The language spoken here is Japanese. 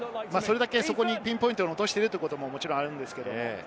ピンポイントに落としているということももちろんあるんですけれど。